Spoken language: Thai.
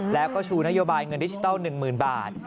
แล้วก็ชูนโยบายเงินดิจิทัล๑๐๐๐บาท